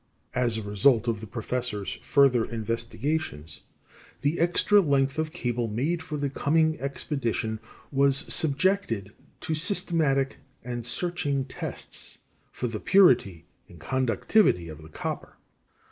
As a result of the professor's further investigations, the extra length of cable made for the coming expedition was subjected to systematic and searching tests for the purity and conductivity of the copper.